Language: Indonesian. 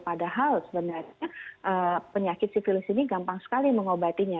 padahal sebenarnya penyakit sivilis ini gampang sekali mengobatinya